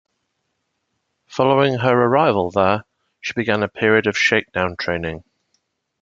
Following her arrival there, she began a period of shakedown training.